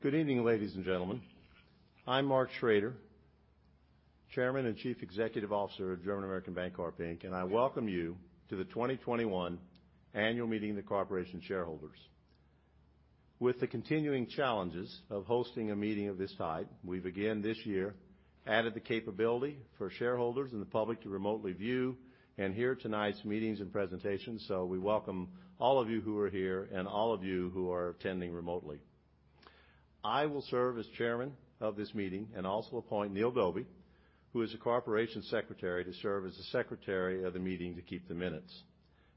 Good evening, ladies and gentlemen. I'm Mark Schroeder, Chairman and Chief Executive Officer of German American Bancorp Inc, I welcome you to the 2021 annual meeting of the corporation shareholders. With the continuing challenges of hosting a meeting of this type, we've again this year added the capability for shareholders and the public to remotely view and hear tonight's meetings and presentations. We welcome all of you who are here and all of you who are attending remotely. I will serve as chairman of this meeting and also appoint Neil Dauby, who is the corporation secretary, to serve as the secretary of the meeting to keep the minutes.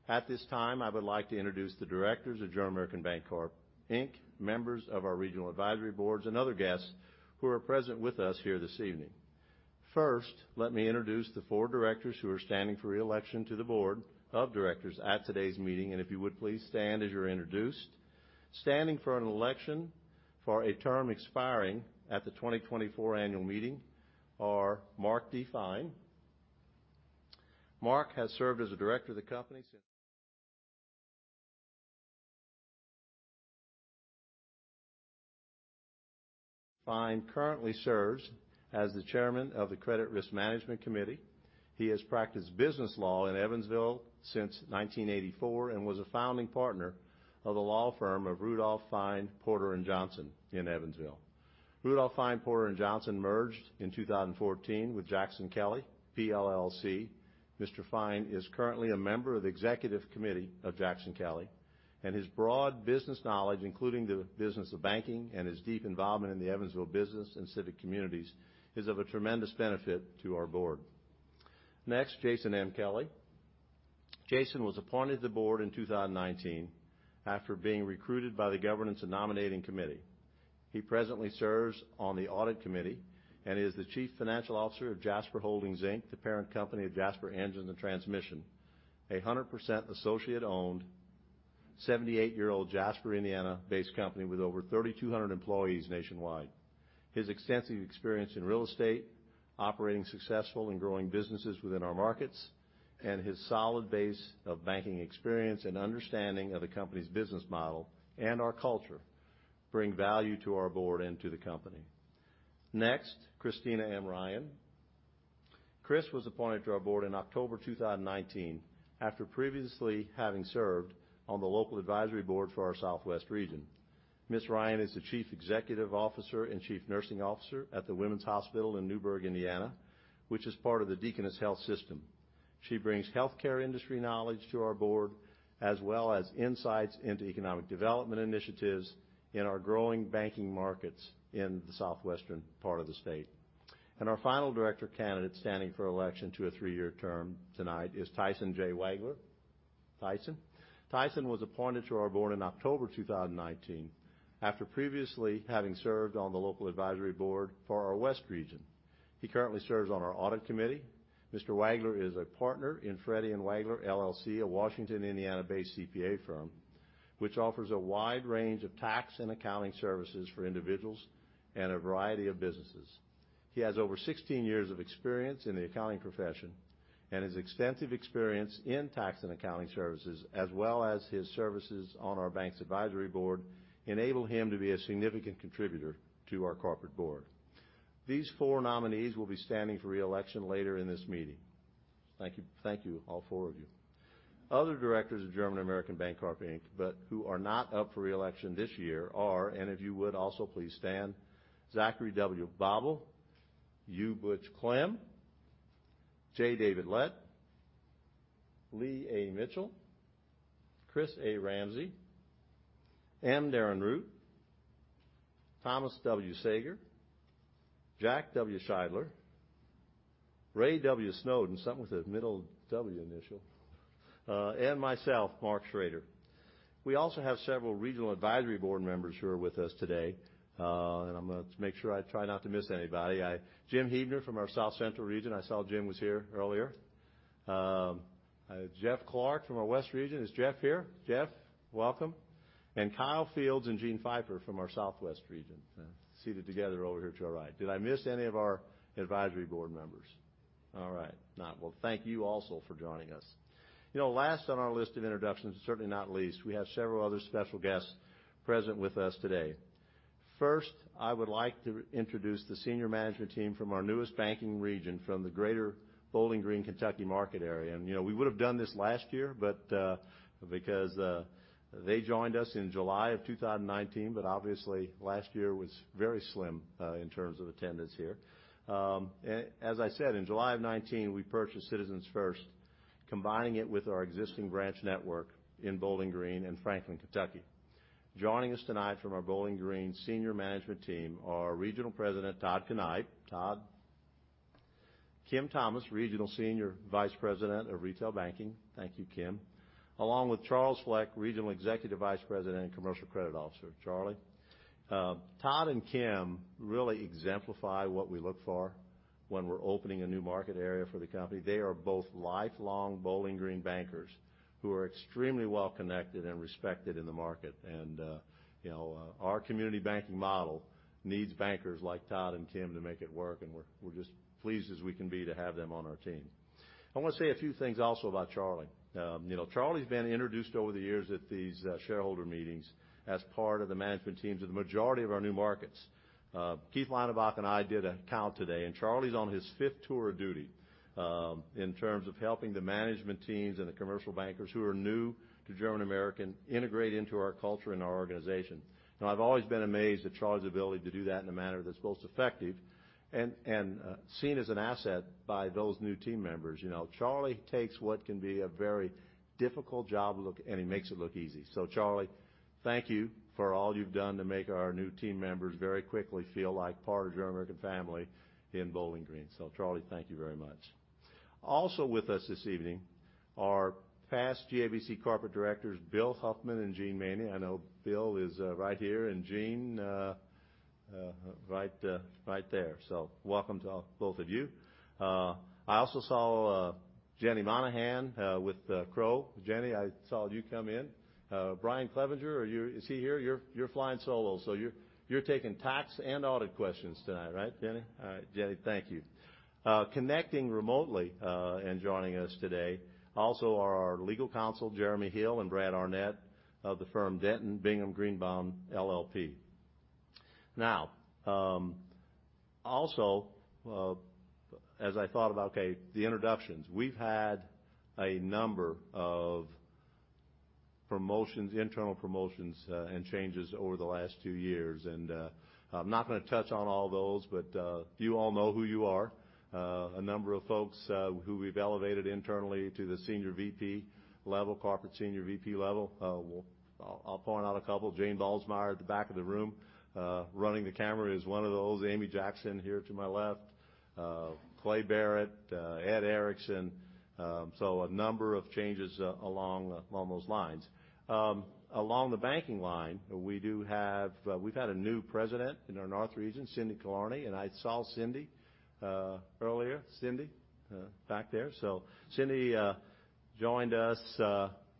At this time, I would like to introduce the directors of German American Bancorp Inc, members of our regional advisory boards, and other guests who are present with us here this evening. First, let me introduce the four directors who are standing for re-election to the board of directors at today's meeting, and if you would please stand as you're introduced. Standing for an election for a term expiring at the 2024 annual meeting are Marc D. Fine. Marc has served as a director of the company since Fine currently serves as the Chairman of the Credit Risk Management Committee. He has practiced business law in Evansville since 1984 and was a founding partner of the law firm of Rudolph, Fine, Porter & Johnson in Evansville. Rudolph, Fine, Porter & Johnson merged in 2014 with Jackson Kelly PLLC. Mr. Fine is currently a member of the executive committee of Jackson Kelly, and his broad business knowledge, including the business of banking and his deep involvement in the Evansville business and civic communities, is of a tremendous benefit to our board. Next, Jason M. Kelly. Jason was appointed to the board in 2019 after being recruited by the governance and nominating committee. He presently serves on the audit committee and is the Chief Financial Officer of Jasper Holdings Inc, the parent company of Jasper Engines & Transmissions, a 100% associate-owned, 78-year-old Jasper, Indiana-based company with over 3,200 employees nationwide. His extensive experience in real estate, operating successful and growing businesses within our markets, and his solid base of banking experience and understanding of the company's business model and our culture bring value to our board and to the company. Next, Christina M. Ryan. Chris was appointed to our board in October 2019 after previously having served on the local advisory board for our southwest region. Ms. Ryan is the Chief Executive Officer and Chief Nursing Officer at The Women's Hospital in Newburgh, Indiana, which is part of the Deaconess Health System. She brings healthcare industry knowledge to our board, as well as insights into economic development initiatives in our growing banking markets in the southwestern part of the state. Our final director candidate standing for election to a three-year term tonight is Tyson J. Wagler. Tyson. Tyson was appointed to our board in October 2019 after previously having served on the local advisory board for our west region. He currently serves on our audit committee. Mr. Wagler is a partner in Frette & Wagler LLC, a Washington, Indiana-based CPA firm, which offers a wide range of tax and accounting services for individuals and a variety of businesses. He has over 16 years of experience in the accounting profession, and his extensive experience in tax and accounting services, as well as his services on our bank's advisory board, enable him to be a significant contributor to our corporate board. These four nominees will be standing for re-election later in this meeting. Thank you, all four of you. Other directors of German American Bancorp Inc, but who are not up for re-election this year are, and if you would also please stand, Zachary W. Bawel, U. Butch Klem, J. David Lett, Lee A. Mitchell, Chris A. Ramsey, M. Darren Root, Thomas W. Seger, Jack W. Sheidler, Ray W. Snowden, something with a middle W initial, and myself, Mark Schroeder. We also have several regional advisory board members who are with us today. I'm going to make sure I try not to miss anybody. Jim Huebner from our South Central region. I saw Jim was here earlier. Jeff Clark from our West region. Is Jeff here? Jeff, welcome. Kyle Fields and Gene Pfeifer from our Southwest region, seated together over here to our right. Did I miss any of our advisory board members? All right. No. Well, thank you also for joining us. Last on our list of introductions, certainly not least, we have several other special guests present with us today. First, I would like to introduce the senior management team from our newest banking region from the greater Bowling Green, Kentucky market area. We would've done this last year, but because they joined us in July of 2019, but obviously, last year was very slim, in terms of attendance here. As I said, in July of 2019, we purchased Citizens First, combining it with our existing branch network in Bowling Green and Franklin, Kentucky. Joining us tonight from our Bowling Green senior management team are Regional President Todd Knipe. Todd. Kim Thomas, Regional Senior Vice President of Retail Banking. Thank you, Kim. Along with Charles Fleck, Regional Executive Vice President and Commercial Credit Officer. Charlie. Todd and Kim really exemplify what we look for when we're opening a new market area for the company. They are both lifelong Bowling Green bankers who are extremely well-connected and respected in the market. Our community banking model needs bankers like Todd and Kim to make it work, and we're just pleased as we can be to have them on our team. I want to say a few things also about Charlie. Charlie's been introduced over the years at these shareholder meetings as part of the management teams of the majority of our new markets. Keith Leinenbach and I did a count today, and Charlie's on his fifth tour of duty in terms of helping the management teams and the commercial bankers who are new to German American integrate into our culture and our organization. I've always been amazed at Charlie's ability to do that in a manner that's most effective and seen as an asset by those new team members. Charlie takes what can be a very difficult job and he makes it look easy. Charlie, thank you for all you've done to make our new team members very quickly feel like part of the German American family in Bowling Green. Charlie, thank you very much. Also with us this evening are past GABC corporate directors Bill Huffman and Gene Meany. I know Bill is right here, and Gene right there. Welcome to both of you. I also saw Jenny McMahan with Crowe. Jenny, I saw you come in. Brian Clevenger, is he here? You're flying solo. You're taking tax and audit questions tonight, right, Jenny? All right, Jenny, thank you. Connecting remotely and joining us today also are our legal counsel, Jeremy Hill and Brad Arnett of the firm Dentons Bingham Greenebaum LLP. Also, as I thought about the introductions, we've had a number of internal promotions and changes over the last two years. I'm not going to touch on all those, but you all know who you are. A number of folks who we've elevated internally to the senior VP level, corporate senior VP level. I'll point out a couple. Jane Balsmeyer at the back of the room. Running the camera is one of those, Amy Jackson here to my left. Clay Barrett, Ed Erickson. A number of changes along those lines. Along the banking line, we've had a new president in our north region, Cindy Kinnarney. I saw Cindy earlier. Cindy back there. Cindy Kinnarney joined us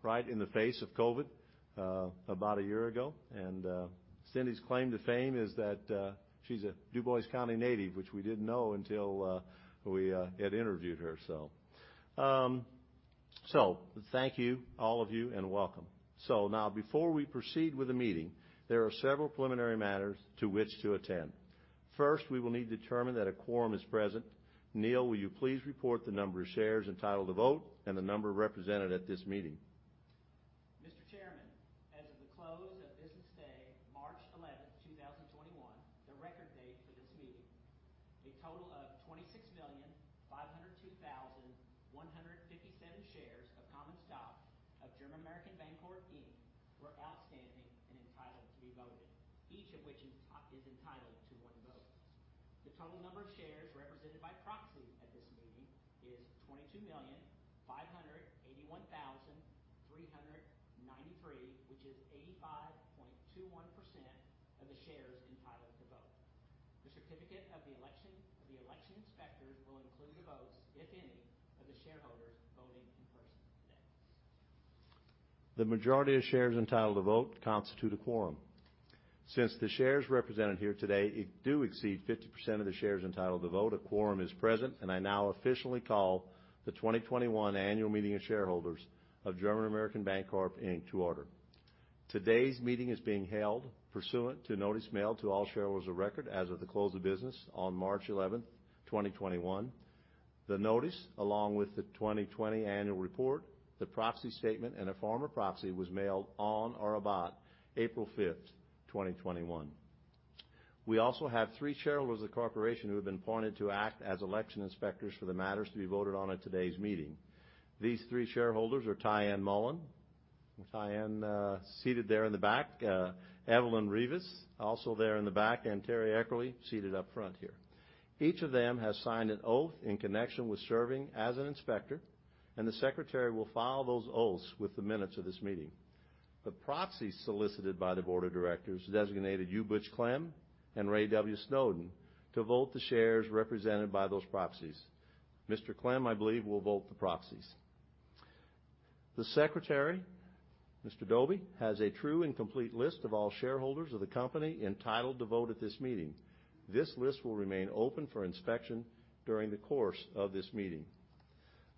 right in the face of COVID about a year ago. Cindy Kinnarney's claim to fame is that she's a Dubois County native, which we didn't know until we had interviewed her. Thank you, all of you, and welcome. Now before we proceed with the meeting, there are several preliminary matters to which to attend. First, we will need to determine that a quorum is present. Neil Dauby, will you please report the number of shares entitled to vote and the number represented at this meeting? Mr. Chairman, as of the close of business day, March 11th, 2021, the record date for this meeting, a total of 26,502,157 shares of common stock of German American Bancorp Inc were outstanding and entitled to be voted, each of which is entitled to one vote. The total number of shares represented by proxy at this meeting is 22,581,393, which is 85.21% of the shares entitled to vote. The certificate of the election inspectors will include the votes, if any, of the shareholders voting in person today. The majority of shares entitled to vote constitute a quorum. Since the shares represented here today do exceed 50% of the shares entitled to vote, a quorum is present, and I now officially call the 2021 annual meeting of shareholders of German American Bancorp Inc to order. Today's meeting is being held pursuant to notice mailed to all shareholders of record as of the close of business on March 11th, 2021. The notice, along with the 2020 annual report, the proxy statement, and a form of proxy, was mailed on or about April 5th, 2021. We also have three shareholders of the corporation who have been appointed to act as election inspectors for the matters to be voted on at today's meeting. These three shareholders are Tyenne Mullen. Tyenne seated there in the back. Evelyn Rivas, also there in the back, and Terri Eckerle seated up front here. Each of them has signed an oath in connection with serving as an inspector, and the Secretary will file those oaths with the minutes of this meeting. The proxies solicited by the Board of Directors designated U. Butch Klem and Ray W. Snowden to vote the shares represented by those proxies. Mr. Klem, I believe, will vote the proxies. The Secretary, Mr. Dauby, has a true and complete list of all shareholders of the company entitled to vote at this meeting. This list will remain open for inspection during the course of this meeting.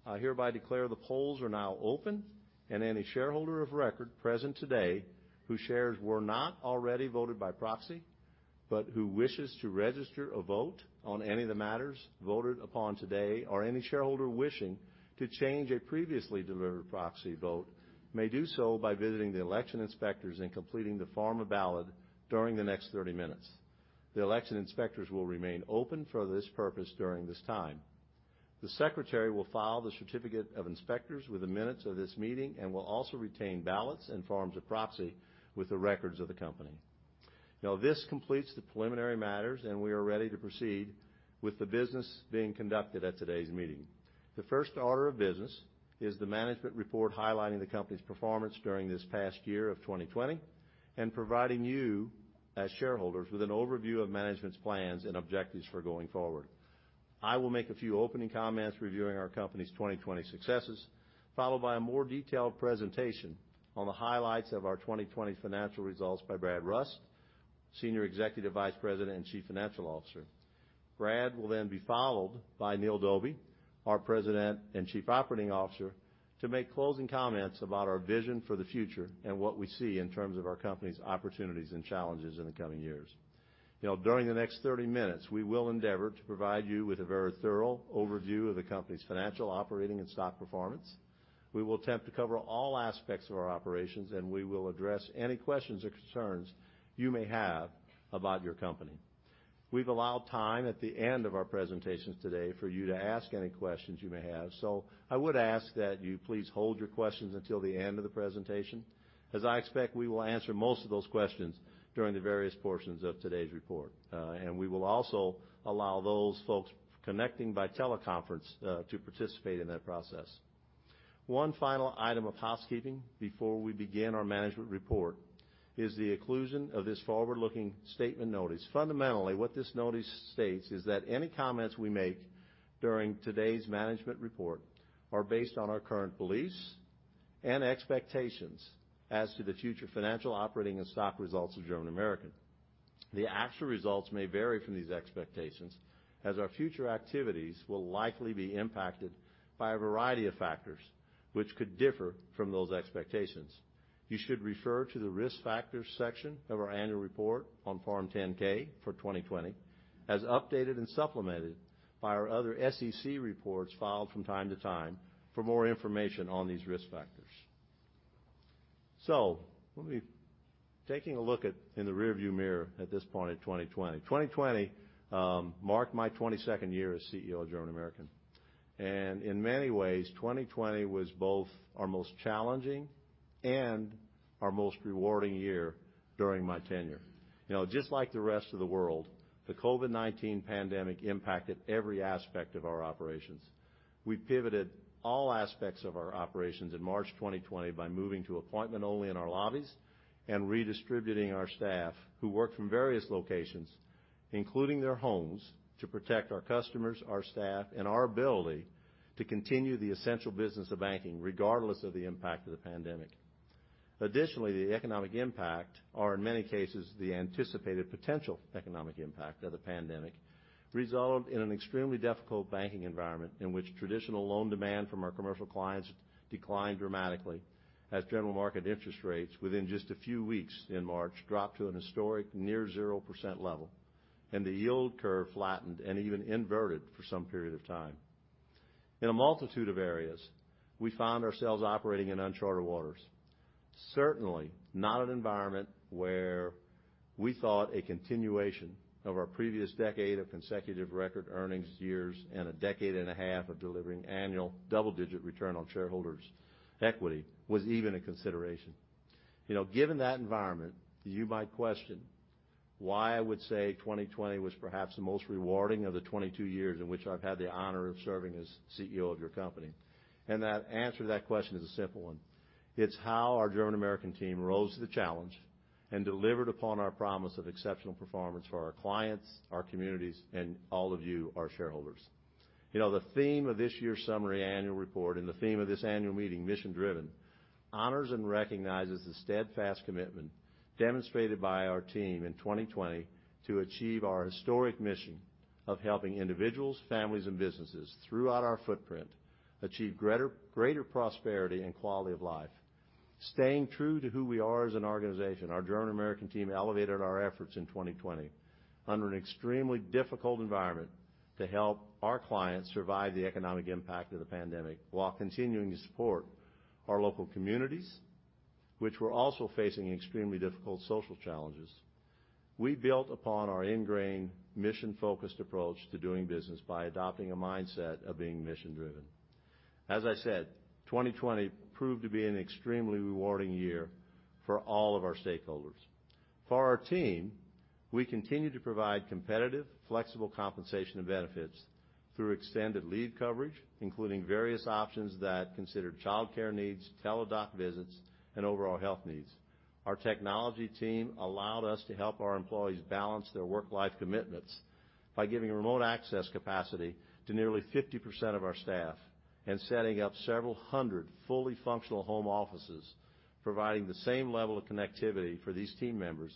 I hereby declare the polls are now open, and any shareholder of record present today whose shares were not already voted by proxy, but who wishes to register a vote on any of the matters voted upon today, or any shareholder wishing to change a previously delivered proxy vote, may do so by visiting the election inspectors and completing the form of ballot during the next 30 minutes. The election inspectors will remain open for this purpose during this time. The secretary will file the certificate of inspectors with the minutes of this meeting and will also retain ballots and forms of proxy with the records of the company. This completes the preliminary matters, and we are ready to proceed with the business being conducted at today's meeting. The first order of business is the management report highlighting the company's performance during this past year of 2020 and providing you, as shareholders, with an overview of management's plans and objectives for going forward. I will make a few opening comments reviewing our company's 2020 successes, followed by a more detailed presentation on the highlights of our 2020 financial results by Brad Rust, Senior Executive Vice President and Chief Financial Officer. Brad will then be followed by Neil Dauby, our President and Chief Operating Officer, to make closing comments about our vision for the future and what we see in terms of our company's opportunities and challenges in the coming years. During the next 30 minutes, we will endeavor to provide you with a very thorough overview of the company's financial, operating, and stock performance. We will attempt to cover all aspects of our operations, and we will address any questions or concerns you may have about your company. We've allowed time at the end of our presentations today for you to ask any questions you may have. I would ask that you please hold your questions until the end of the presentation, as I expect we will answer most of those questions during the various portions of today's report. We will also allow those folks connecting by teleconference to participate in that process. One final item of housekeeping before we begin our management report is the inclusion of this forward-looking statement notice. Fundamentally, what this notice states is that any comments we make during today's management report are based on our current beliefs and expectations as to the future financial, operating, and stock results of German American. The actual results may vary from these expectations as our future activities will likely be impacted by a variety of factors which could differ from those expectations. You should refer to the Risk Factors section of our annual report on Form 10-K for 2020, as updated and supplemented by our other SEC reports filed from time to time for more information on these risk factors. Let me take a look in the rear-view mirror at this point in 2020. 2020 marked my 22nd year as CEO of German American. In many ways, 2020 was both our most challenging and our most rewarding year during my tenure. Just like the rest of the world, the COVID-19 pandemic impacted every aspect of our operations. We pivoted all aspects of our operations in March 2020 by moving to appointment only in our lobbies and redistributing our staff who worked from various locations, including their homes, to protect our customers, our staff, and our ability to continue the essential business of banking, regardless of the impact of the pandemic. Additionally, the economic impact, or in many cases, the anticipated potential economic impact of the pandemic, resulted in an extremely difficult banking environment in which traditional loan demand from our commercial clients declined dramatically as general market interest rates within just a few weeks in March dropped to an historic near 0% level, and the yield curve flattened and even inverted for some period of time. In a multitude of areas, we found ourselves operating in uncharted waters. Certainly not an environment where we thought a continuation of our previous decade of consecutive record earnings years and a decade and a half of delivering annual double-digit return on shareholders' equity was even a consideration. Given that environment, you might question why I would say 2020 was perhaps the most rewarding of the 22 years in which I've had the honor of serving as CEO of your company. The answer to that question is a simple one. It's how our German American team rose to the challenge and delivered upon our promise of exceptional performance for our clients, our communities, and all of you, our shareholders. The theme of this year's summary annual report and the theme of this annual meeting, "Mission Driven," honors and recognizes the steadfast commitment demonstrated by our team in 2020 to achieve our historic mission of helping individuals, families, and businesses throughout our footprint achieve greater prosperity and quality of life. Staying true to who we are as an organization, our German American team elevated our efforts in 2020 under an extremely difficult environment to help our clients survive the economic impact of the pandemic while continuing to support our local communities, which were also facing extremely difficult social challenges. We built upon our ingrained mission-focused approach to doing business by adopting a mindset of being mission-driven. As I said, 2020 proved to be an extremely rewarding year for all of our stakeholders. For our team, we continued to provide competitive, flexible compensation and benefits through extended leave coverage, including various options that considered childcare needs, Teladoc visits, and overall health needs. Our technology team allowed us to help our employees balance their work-life commitments by giving remote access capacity to nearly 50% of our staff and setting up several hundred fully functional home offices, providing the same level of connectivity for these team members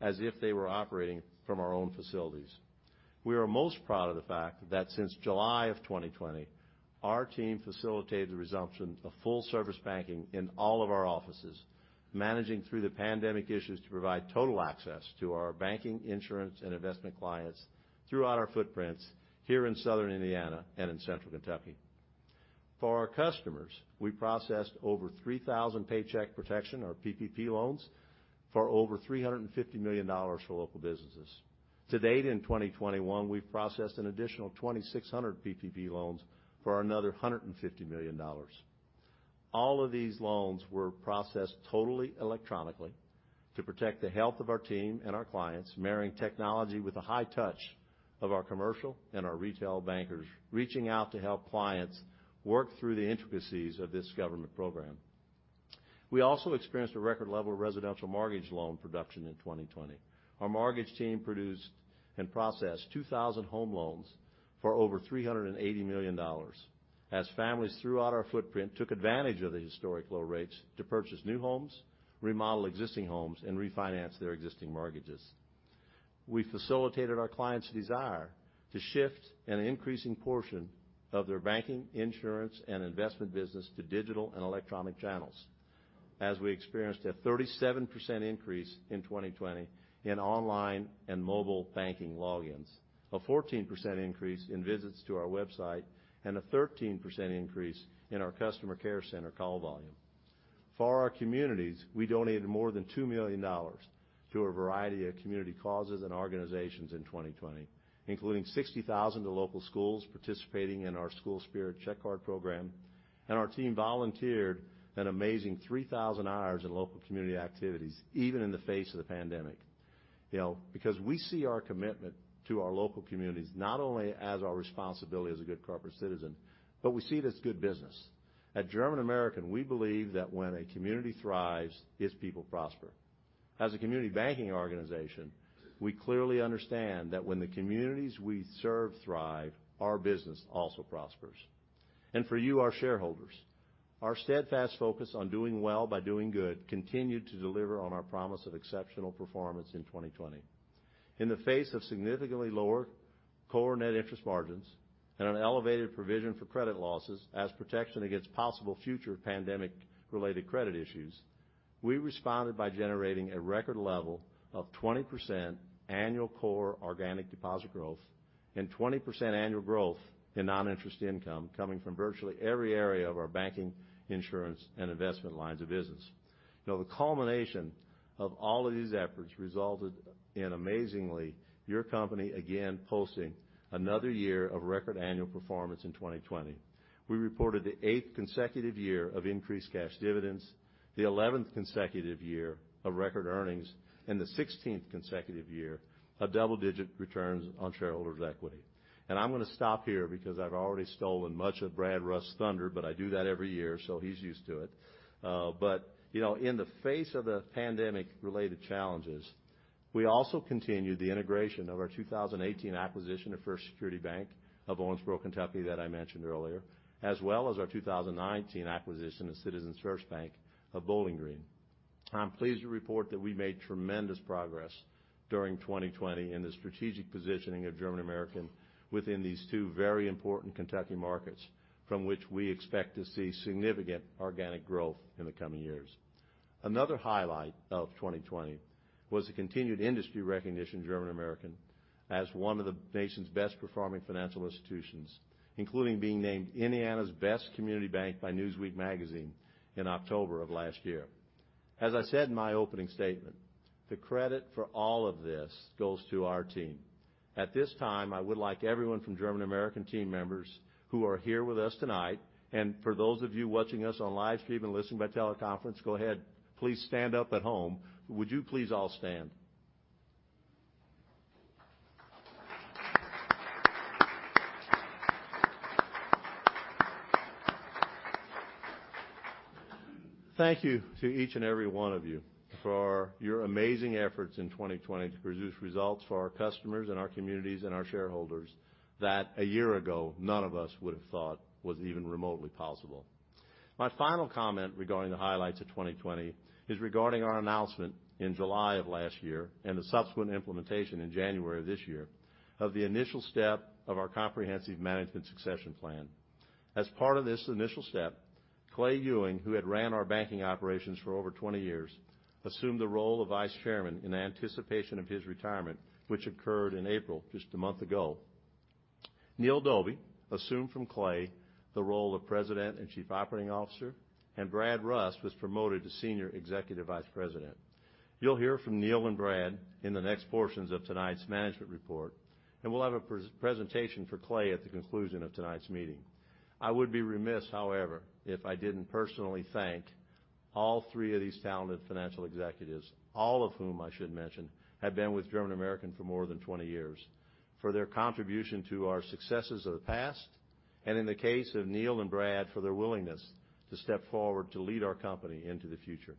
as if they were operating from our own facilities. We are most proud of the fact that since July of 2020, our team facilitated the resumption of full-service banking in all of our offices, managing through the pandemic issues to provide total access to our banking, insurance, and investment clients throughout our footprints here in Southern Indiana and in Central Kentucky. For our customers, we processed over 3,000 Paycheck Protection or PPP loans for over $350 million for local businesses. To date in 2021, we've processed an additional 2,600 PPP loans for another $150 million. All of these loans were processed totally electronically to protect the health of our team and our clients, marrying technology with the high touch of our commercial and our retail bankers, reaching out to help clients work through the intricacies of this government program. We also experienced a record level of residential mortgage loan production in 2020. Our mortgage team produced and processed 2,000 home loans for over $380 million. As families throughout our footprint took advantage of the historic low rates to purchase new homes, remodel existing homes, and refinance their existing mortgages. We facilitated our clients' desire to shift an increasing portion of their banking, insurance, and investment business to digital and electronic channels. As we experienced a 37% increase in 2020 in online and mobile banking logins, a 14% increase in visits to our website, and a 13% increase in our customer care center call volume. For our communities, we donated more than $2 million to a variety of community causes and organizations in 2020, including $60,000 to local schools participating in our School Spirit Check Card program, and our team volunteered an amazing 3,000 hours in local community activities, even in the face of the pandemic. Because we see our commitment to our local communities not only as our responsibility as a good corporate citizen, but we see it as good business. At German American, we believe that when a community thrives, its people prosper. As a community banking organization, we clearly understand that when the communities we serve thrive, our business also prospers. For you, our shareholders, our steadfast focus on doing well by doing good continued to deliver on our promise of exceptional performance in 2020. In the face of significantly lower core net interest margins and an elevated provision for credit losses as protection against possible future pandemic-related credit issues, we responded by generating a record level of 20% annual core organic deposit growth and 20% annual growth in non-interest income coming from virtually every area of our banking, insurance, and investment lines of business. The culmination of all of these efforts resulted in, amazingly, your company again posting another year of record annual performance in 2020. We reported the 8th consecutive year of increased cash dividends, the 11th consecutive year of record earnings, and the 16th consecutive year of double-digit returns on shareholders' equity. I'm going to stop here because I've already stolen much of Brad Rust's thunder, but I do that every year, so he's used to it. In the face of the pandemic-related challenges, we also continued the integration of our 2018 acquisition of First Security Bank of Owensboro, Kentucky, that I mentioned earlier, as well as our 2019 acquisition of Citizens First Bank of Bowling Green. I'm pleased to report that we made tremendous progress during 2020 in the strategic positioning of German American within these two very important Kentucky markets from which we expect to see significant organic growth in the coming years. Another highlight of 2020 was the continued industry recognition of German American as one of the nation's best-performing financial institutions, including being named Indiana's Best Community Bank by Newsweek magazine in October of last year. As I said in my opening statement, the credit for all of this goes to our team. At this time, I would like everyone from German American team members who are here with us tonight, and for those of you watching us on live stream and listening by teleconference, go ahead, please stand up at home. Would you please all stand? Thank you to each and every one of you for your amazing efforts in 2020 to produce results for our customers and our communities and our shareholders that a year ago, none of us would have thought was even remotely possible. My final comment regarding the highlights of 2020 is regarding our announcement in July of last year and the subsequent implementation in January of this year of the initial step of our comprehensive management succession plan. As part of this initial step, Clay Ewing, who had ran our banking operations for over 20 years, assumed the role of Vice Chairman in anticipation of his retirement, which occurred in April, just a month ago. Neil Dauby assumed from Clay the role of President and Chief Operating Officer, and Brad Rust was promoted to Senior Executive Vice President. You'll hear from Neil and Brad in the next portions of tonight's management report, and we'll have a presentation for Clay at the conclusion of tonight's meeting. I would be remiss, however, if I didn't personally thank all three of these talented financial executives, all of whom I should mention have been with German American for more than 20 years, for their contribution to our successes of the past, and in the case of Neil and Brad, for their willingness to step forward to lead our company into the future.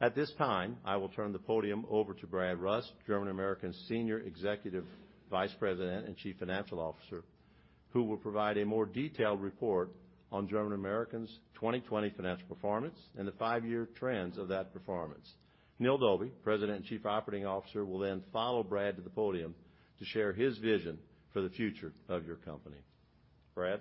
At this time, I will turn the podium over to Brad Rust, German American's Senior Executive Vice President and Chief Financial Officer, who will provide a more detailed report on German American's 2020 financial performance and the five-year trends of that performance. Neil Dauby, President and Chief Operating Officer, will follow Brad to the podium to share his vision for the future of your company. Brad?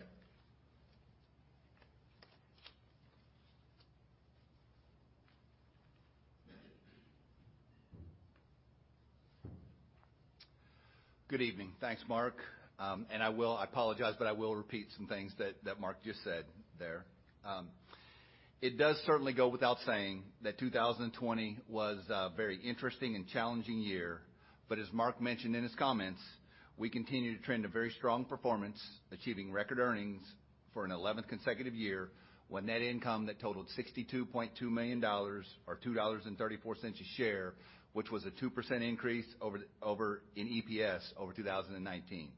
Good evening. Thanks, Mark. I apologize, I will repeat some things that Mark just said there. It does certainly go without saying that 2020 was a very interesting and challenging year. As Mark mentioned in his comments, we continue to trend a very strong performance, achieving record earnings for an 11th consecutive year with net income that totaled $62.2 million or $2.34 a share, which was a 2% increase in EPS over 2019.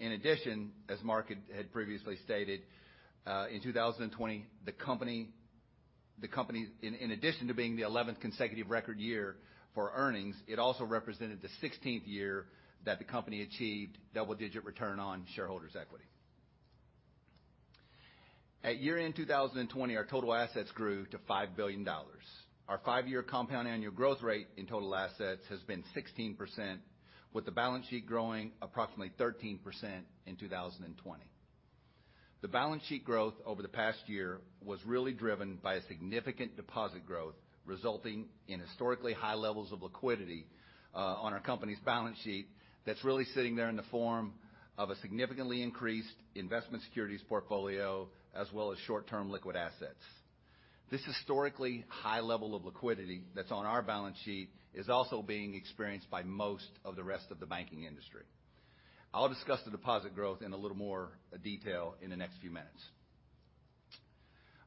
In addition, as Mark had previously stated, in 2020, the company, in addition to being the 11th consecutive record year for earnings, it also represented the 16th year that the company achieved double-digit return on shareholders' equity. At year-end 2020, our total assets grew to $5 billion. Our five-year compound annual growth rate in total assets has been 16%, with the balance sheet growing approximately 13% in 2020. The balance sheet growth over the past year was really driven by significant deposit growth, resulting in historically high levels of liquidity on our company's balance sheet that's really sitting there in the form of a significantly increased investment securities portfolio, as well as short-term liquid assets. This historically high level of liquidity that's on our balance sheet is also being experienced by most of the rest of the banking industry. I'll discuss the deposit growth in a little more detail in the next few minutes.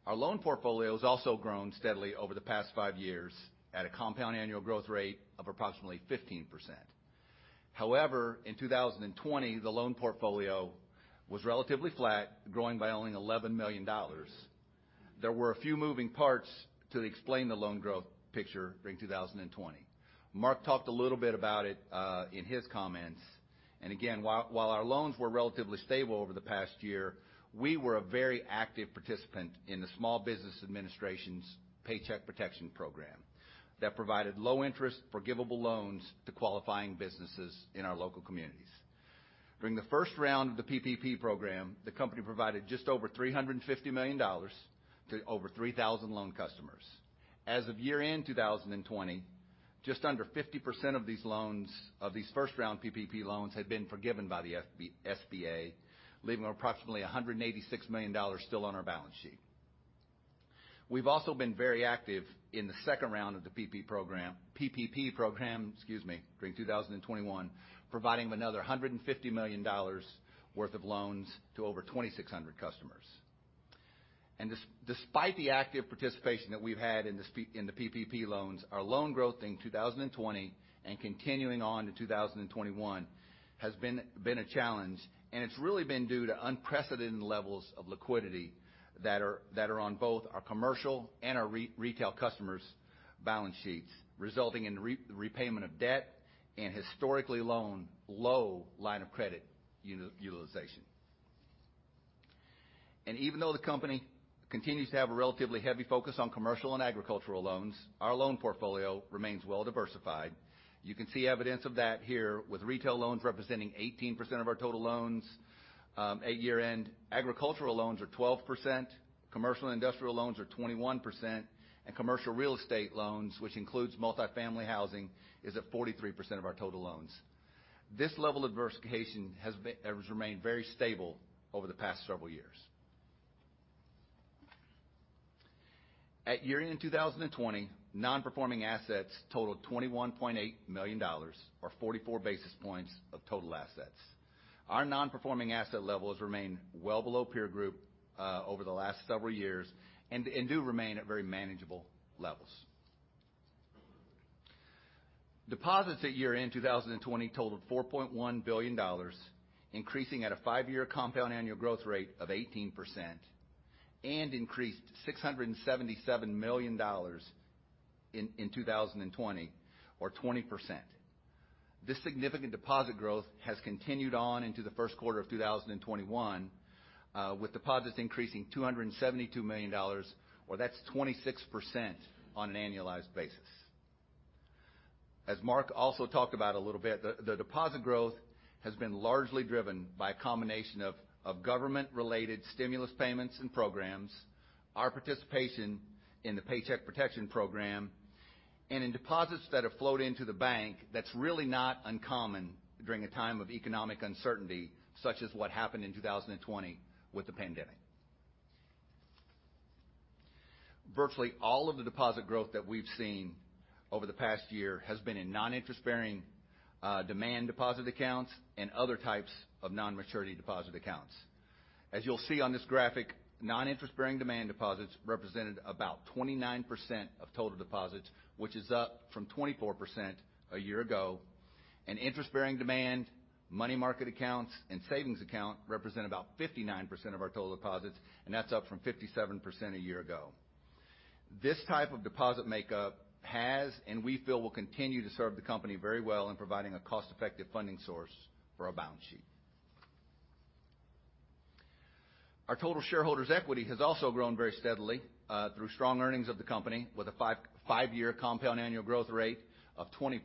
Our loan portfolio has also grown steadily over the past five years at a compound annual growth rate of approximately 15%. In 2020, the loan portfolio was relatively flat, growing by only $11 million. There were a few moving parts to explain the loan growth picture during 2020. Mark talked a little bit about it in his comments. Again, while our loans were relatively stable over the past year, we were a very active participant in the Small Business Administration's Paycheck Protection Program that provided low-interest forgivable loans to qualifying businesses in our local communities. During the first round of the PPP program, the company provided just over $350 million to over 3,000 loan customers. As of year-end 2020, just under 50% of these first-round PPP loans had been forgiven by the SBA, leaving approximately $186 million still on our balance sheet. We've also been very active in the second round of the PPP program during 2021, providing another $150 million worth of loans to over 2,600 customers. Despite the active participation that we've had in the PPP loans, our loan growth in 2020 and continuing on to 2021 has been a challenge, and it's really been due to unprecedented levels of liquidity that are on both our commercial and our retail customers' balance sheets, resulting in repayment of debt and historically low line of credit utilization. Even though the company continues to have a relatively heavy focus on commercial and agricultural loans, our loan portfolio remains well-diversified. You can see evidence of that here with retail loans representing 18% of our total loans at year-end. Agricultural loans are 12%, commercial and industrial loans are 21%, and commercial real estate loans, which includes multi-family housing, is at 43% of our total loans. This level of diversification has remained very stable over the past several years. At year-end 2020, non-performing assets totaled $21.8 million, or 44 basis points of total assets. Our non-performing asset levels remain well below peer group over the last several years and do remain at very manageable levels. Deposits at year-end 2020 totaled $4.1 billion, increasing at a five-year compound annual growth rate of 18% and increased $677 million in 2020, or 20%. This significant deposit growth has continued on into the first quarter of 2021, with deposits increasing $272 million, or that's 26% on an annualized basis. As Mark also talked about a little bit, the deposit growth has been largely driven by a combination of government-related stimulus payments and programs, our participation in the Paycheck Protection Program, and in deposits that have flowed into the bank that's really not uncommon during a time of economic uncertainty, such as what happened in 2020 with the pandemic. Virtually all of the deposit growth that we've seen over the past year has been in non-interest-bearing demand deposit accounts and other types of non-maturity deposit accounts. As you'll see on this graphic, non-interest-bearing demand deposits represented about 29% of total deposits, which is up from 24% a year ago, and interest-bearing demand money market accounts and savings accounts represent about 59% of our total deposits, and that's up from 57% a year ago. This type of deposit makeup has, and we feel will continue to serve the company very well in providing a cost-effective funding source for our balance sheet. Our total shareholders' equity has also grown very steadily through strong earnings of the company with a five-year compound annual growth rate of 20%.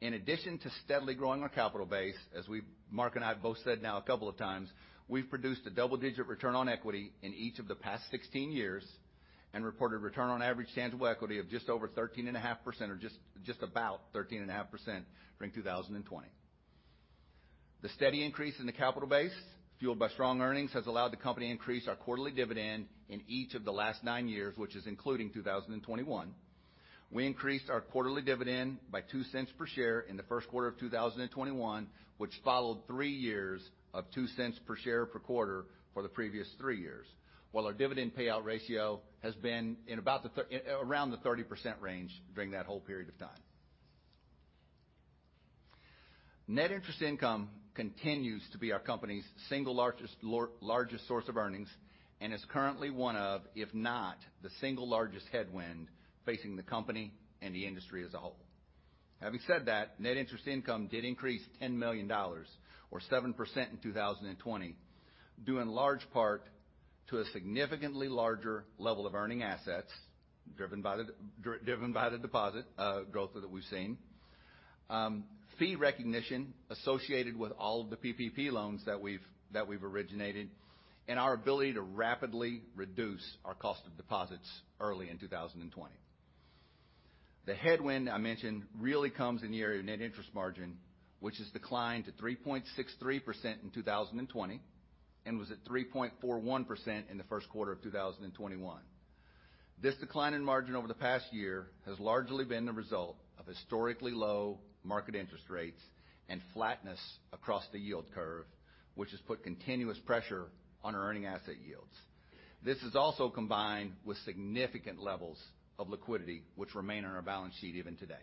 In addition to steadily growing our capital base, as Mark and I have both said now a couple of times, we've produced a double-digit return on equity in each of the past 16 years and reported a return on average tangible equity of just over 13.5%, or just about 13.5% during 2020. The steady increase in the capital base, fueled by strong earnings, has allowed the company to increase our quarterly dividend in each of the last nine years, which is including 2021. We increased our quarterly dividend by $0.02 per share in the first quarter of 2021, which followed three years of $0.02 per share per quarter for the previous three years, while our dividend payout ratio has been around the 30% range during that whole period of time.Net interest income continues to be our company's single largest source of earnings and is currently one of, if not the single largest headwind facing the company and the industry as a whole. Having said that, net interest income did increase $10 million or 7% in 2020, due in large part to a significantly larger level of earning assets driven by the deposit growth that we've seen, fee recognition associated with all of the PPP loans that we've originated, and our ability to rapidly reduce our cost of deposits early in 2020. The headwind I mentioned really comes in the area of net interest margin, which has declined to 3.63% in 2020 and was at 3.41% in the first quarter of 2021. This decline in margin over the past year has largely been the result of historically low market interest rates and flatness across the yield curve, which has put continuous pressure on earning asset yields. This is also combined with significant levels of liquidity, which remain on our balance sheet even today.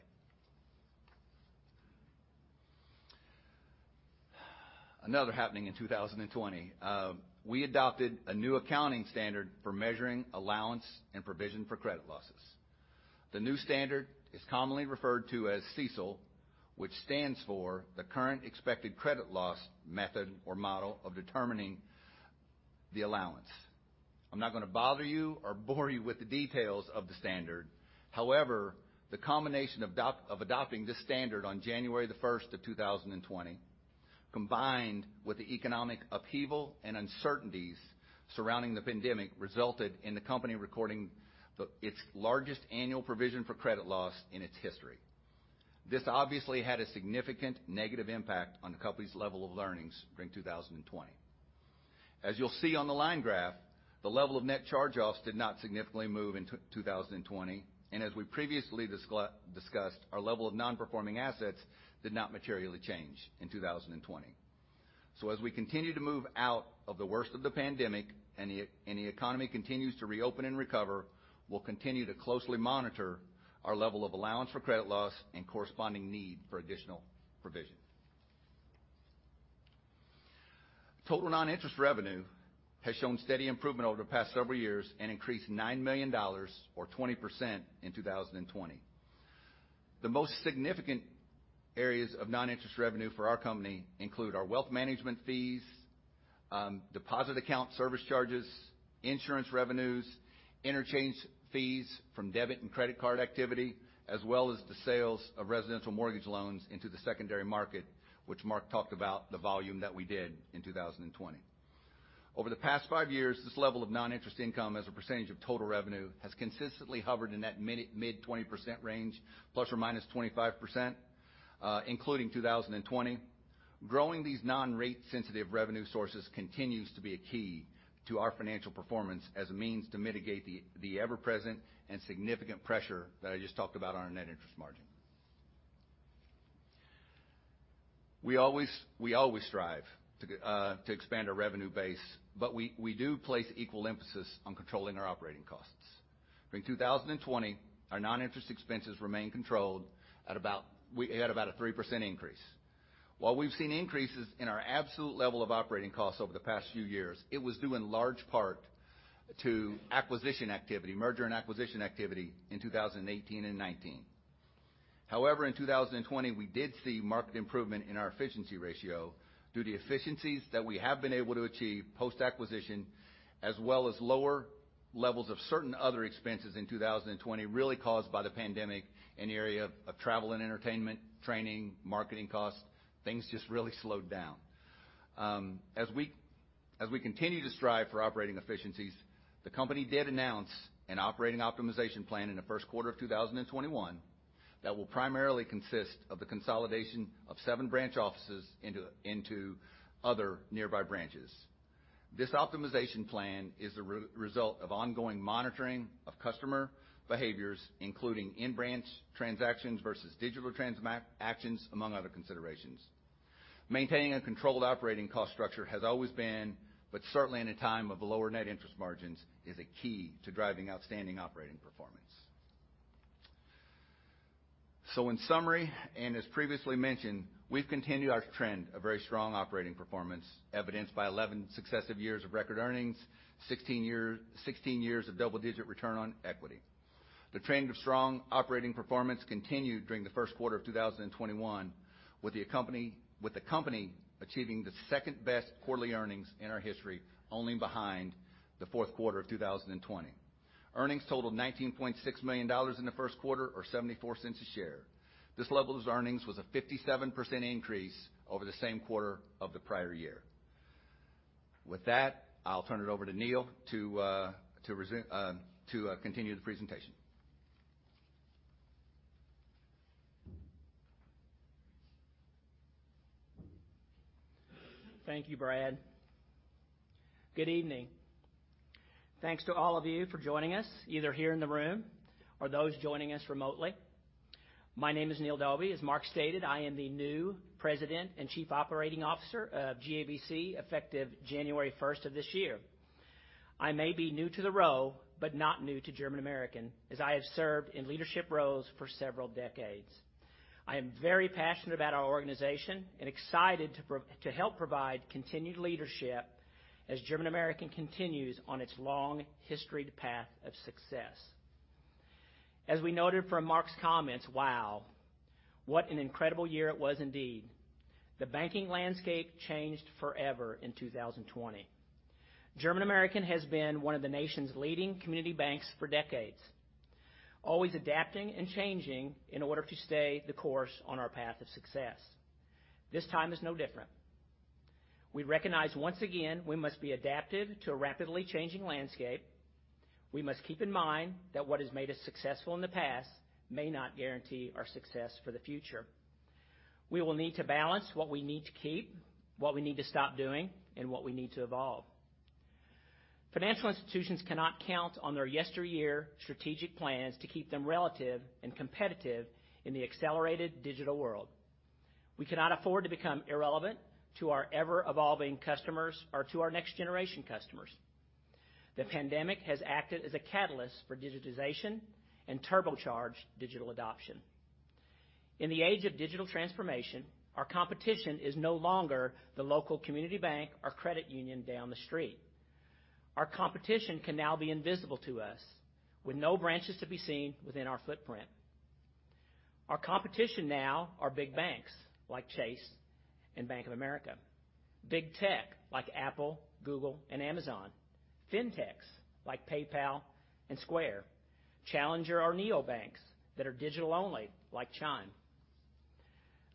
Another happening in 2020, we adopted a new accounting standard for measuring allowance and provision for credit losses. The new standard is commonly referred to as CECL, which stands for the current expected credit loss method or model of determining the allowance. I'm not going to bother you or bore you with the details of the standard. However, the combination of adopting this standard on January 1st of 2020, combined with the economic upheaval and uncertainties surrounding the pandemic, resulted in the company recording its largest annual provision for credit loss in its history. This obviously had a significant negative impact on the company's level of earnings during 2020. As you'll see on the line graph, the level of net charge-offs did not significantly move in 2020, and as we previously discussed, our level of non-performing assets did not materially change in 2020. As we continue to move out of the worst of the pandemic and the economy continues to reopen and recover, we'll continue to closely monitor our level of allowance for credit loss and corresponding need for additional provision. Total non-interest revenue has shown steady improvement over the past several years and increased $9 million or 20% in 2020. The most significant areas of non-interest revenue for our company include our wealth management fees, deposit account service charges, insurance revenues, interchange fees from debit and credit card activity, as well as the sales of residential mortgage loans into the secondary market, which Mark talked about the volume that we did in 2020. Over the past five years, this level of non-interest income as a percentage of total revenue has consistently hovered in that mid 20% range, ±25%, including 2020. Growing these non-rate sensitive revenue sources continues to be a key to our financial performance as a means to mitigate the ever-present and significant pressure that I just talked about on our net interest margin. We always strive to expand our revenue base, we do place equal emphasis on controlling our operating costs. In 2020, our non-interest expenses remained controlled at about a 3% increase. While we've seen increases in our absolute level of operating costs over the past few years, it was due in large part to acquisition activity, merger and acquisition activity in 2018 and 2019. In 2020, we did see marked improvement in our efficiency ratio due to efficiencies that we have been able to achieve post-acquisition, as well as lower levels of certain other expenses in 2020 really caused by the pandemic in the area of travel and entertainment, training, marketing costs. Things just really slowed down. We continue to strive for operating efficiencies, the company did announce an operating optimization plan in the first quarter of 2021 that will primarily consist of the consolidation of seven branch offices into other nearby branches. This optimization plan is a result of ongoing monitoring of customer behaviors, including in-branch transactions versus digital transactions, among other considerations. Maintaining a controlled operating cost structure has always been, but certainly in a time of lower net interest margins, is a key to driving outstanding operating performance. In summary, and as previously mentioned, we've continued our trend of very strong operating performance evidenced by 11 successive years of record earnings, 16 years of double-digit return on equity. The trend of strong operating performance continued during the first quarter of 2021 with the company achieving the second-best quarterly earnings in our history only behind the fourth quarter of 2020. Earnings totaled $19.6 million in the first quarter or $0.74 a share. This level of earnings was a 57% increase over the same quarter of the prior year. With that, I'll turn it over to Neil Dauby to continue the presentation. Thank you, Brad. Good evening. Thanks to all of you for joining us, either here in the room or those joining us remotely. My name is Neil Dauby. As Mark stated, I am the new President and Chief Operating Officer of GABC effective January 1st of this year. I may be new to the role, but not new to German American, as I have served in leadership roles for several decades. I am very passionate about our organization and excited to help provide continued leadership as German American continues on its long history path of success. As we noted from Mark's comments, wow, what an incredible year it was indeed. The banking landscape changed forever in 2020. German American has been one of the nation's leading community banks for decades, always adapting and changing in order to stay the course on our path of success. This time is no different. We recognize once again, we must be adaptive to a rapidly changing landscape. We must keep in mind that what has made us successful in the past may not guarantee our success for the future. We will need to balance what we need to keep, what we need to stop doing, and what we need to evolve. Financial institutions cannot count on their yesteryear strategic plans to keep them relevant and competitive in the accelerated digital world. We cannot afford to become irrelevant to our ever-evolving customers or to our next-generation customers. The pandemic has acted as a catalyst for digitization and turbocharged digital adoption. In the age of digital transformation, our competition is no longer the local community bank or credit union down the street. Our competition can now be invisible to us, with no branches to be seen within our footprint. Our competition now are big banks, like Chase and Bank of America. Big tech, like Apple, Google, and Amazon. Fintechs, like PayPal and Square. Challenger or neobanks that are digital-only, like Chime.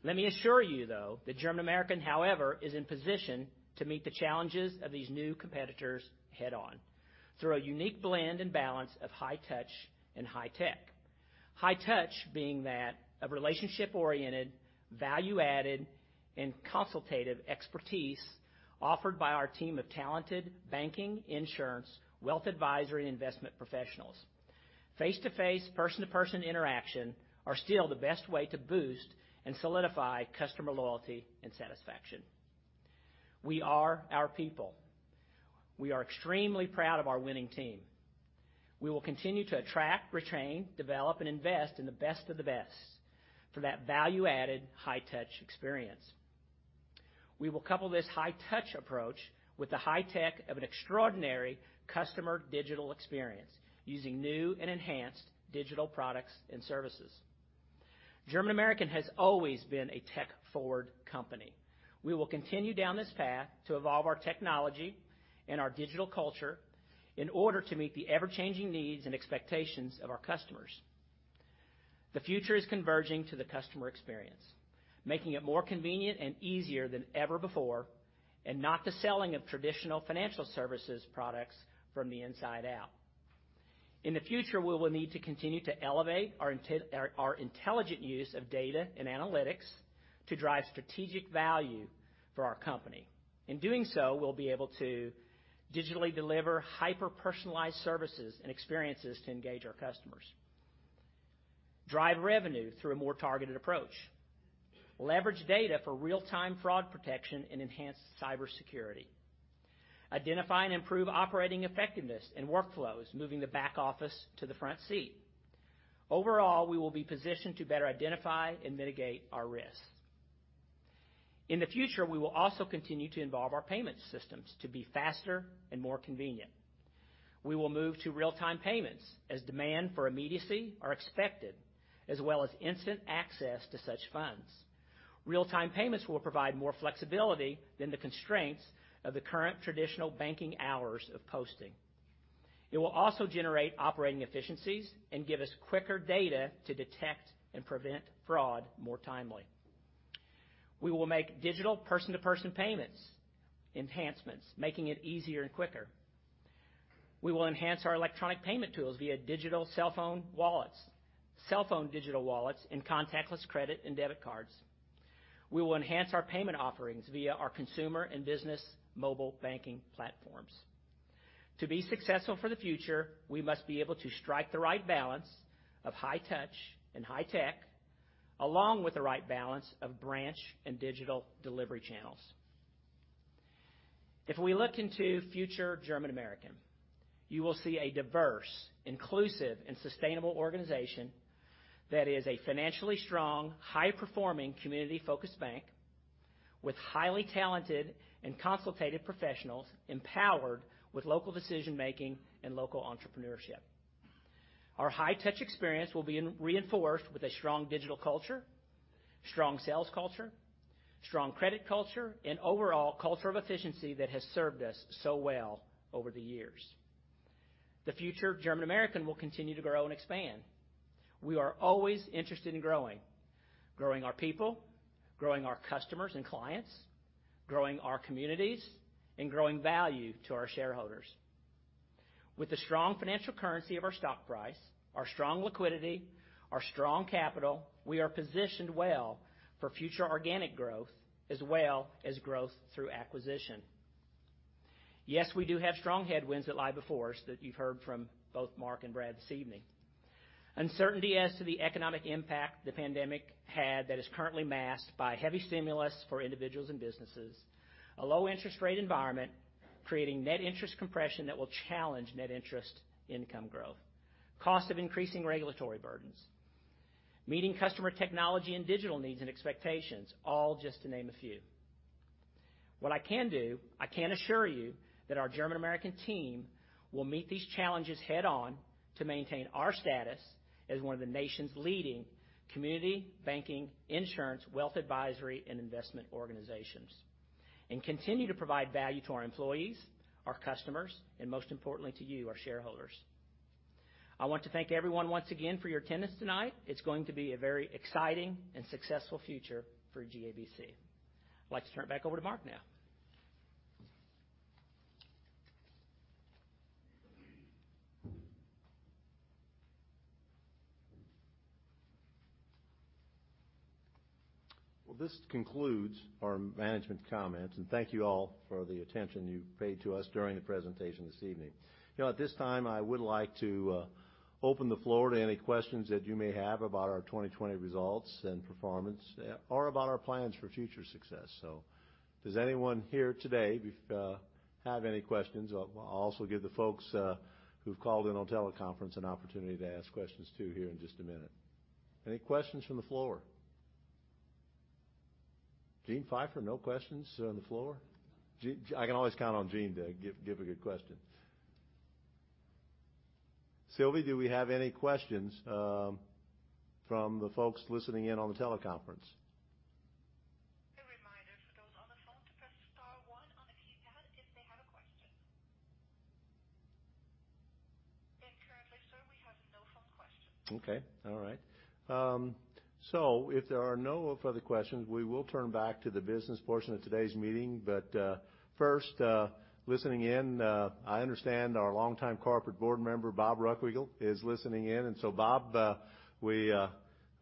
Let me assure you, though, that German American, however, is in position to meet the challenges of these new competitors head-on through a unique blend and balance of high touch and high tech. High touch being that of relationship-oriented, value-added, and consultative expertise offered by our team of talented banking, insurance, wealth advisory, and investment professionals. Face-to-face, person-to-person interaction are still the best way to boost and solidify customer loyalty and satisfaction. We are our people. We are extremely proud of our winning team. We will continue to attract, retain, develop, and invest in the best of the best for that value-added high touch experience. We will couple this high touch approach with the high tech of an extraordinary customer digital experience using new and enhanced digital products and services. German American has always been a tech forward company. We will continue down this path to evolve our technology and our digital culture in order to meet the ever-changing needs and expectations of our customers. The future is converging to the customer experience, making it more convenient and easier than ever before, and not the selling of traditional financial services products from the inside out. In the future, we will need to continue to elevate our intelligent use of data and analytics to drive strategic value for our company. In doing so, we'll be able to digitally deliver hyper-personalized services and experiences to engage our customers, drive revenue through a more targeted approach, leverage data for real-time fraud protection and enhanced cybersecurity, identify and improve operating effectiveness and workflows, moving the back office to the front seat. Overall, we will be positioned to better identify and mitigate our risks. In the future, we will also continue to involve our payment systems to be faster and more convenient. We will move to real-time payments as demand for immediacy are expected, as well as instant access to such funds. Real-time payments will provide more flexibility than the constraints of the current traditional banking hours of posting. It will also generate operating efficiencies and give us quicker data to detect and prevent fraud more timely. We will make digital person-to-person payments enhancements, making it easier and quicker. We will enhance our electronic payment tools via digital cell phone wallets, cell phone digital wallets, and contactless credit and debit cards. We will enhance our payment offerings via our consumer and business mobile banking platforms. To be successful for the future, we must be able to strike the right balance of high touch and high tech, along with the right balance of branch and digital delivery channels. If we look into future German American, you will see a diverse, inclusive, and sustainable organization that is a financially strong, high-performing, community-focused bank with highly talented and consultative professionals, empowered with local decision-making and local entrepreneurship. Our high touch experience will be reinforced with a strong digital culture, strong sales culture, strong credit culture, and overall culture of efficiency that has served us so well over the years. The future of German American will continue to grow and expand. We are always interested in growing. Growing our people, growing our customers and clients, growing our communities, and growing value to our shareholders. With the strong financial currency of our stock price, our strong liquidity, our strong capital, we are positioned well for future organic growth as well as growth through acquisition. Yes, we do have strong headwinds that lie before us that you've heard from both Mark and Brad this evening. Uncertainty as to the economic impact the pandemic had that is currently masked by heavy stimulus for individuals and businesses. A low interest rate environment, creating net interest compression that will challenge net interest income growth. Cost of increasing regulatory burdens. Meeting customer technology and digital needs and expectations. All just to name a few. What I can do, I can assure you that our German American team will meet these challenges head on to maintain our status as one of the nation's leading community banking, insurance, wealth advisory, and investment organizations, and continue to provide value to our employees, our customers, and most importantly to you, our shareholders. I want to thank everyone once again for your attendance tonight. It's going to be a very exciting and successful future for GABC. I'd like to turn it back over to Mark now. Well, this concludes our management comments. Thank you all for the attention you've paid to us during the presentation this evening. At this time, I would like to open the floor to any questions that you may have about our 2020 results and performance or about our plans for future success. Does anyone here today have any questions? I'll also give the folks who've called in on teleconference an opportunity to ask questions too here in just a minute. Any questions from the floor? Gene Pfeifer, no questions on the floor? I can always count on Gene to give a good question. Sylvie, do we have any questions from the folks listening in on the teleconference? A reminder for those on the phone to press star one on the keypad if they have a question. Currently, sir, we have no phone questions. Okay. All right. If there are no further questions, we will turn back to the business portion of today's meeting. First, listening in, I understand our longtime corporate board member, Bob Ruckriegel, is listening in. Bob, we